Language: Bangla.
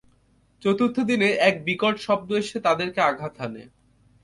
চতুর্থ দিনে এক বিকট শব্দ এসে তাদেরকে আঘাত হানে।